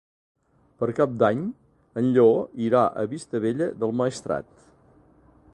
Per Cap d'Any en Lleó irà a Vistabella del Maestrat.